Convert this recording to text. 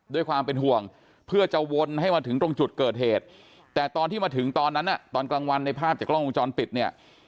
ด้วยความเป็นห่วงเพื่อจะวนให้มาถึงตรงจุดเกิดเหตุแต่ตอนที่มาถึงตอนนั้นตอนกลางวันในภาพจากกล้องวงจรปิดเนี่ย